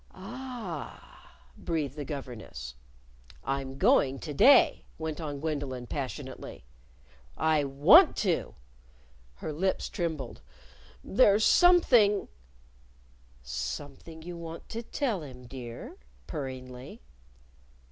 "Ah!" breathed the governess. "I'm going to day," went on Gwendolyn, passionately. "I want to!" Her lips trembled. "There's something " "Something you want to tell him, dear?" purringly.